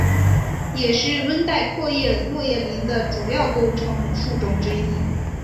也是温带阔叶落叶林的主要构成树种之一。